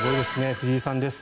藤井さんです。